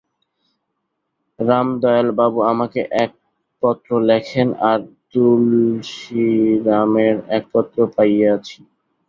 রামদয়ালবাবু আমাকে এক পত্র লেখেন, আর তুলসীরামের এক পত্র পাইয়াছি।